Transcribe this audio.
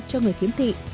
cho người khiếm thị